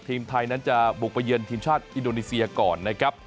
ทีมไทยนั้นจะบุกไปเยือนทีมชาติอินโดนีเซียก่อนนะครับ